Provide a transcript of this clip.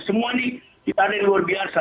semua ini diadakan yang luar biasa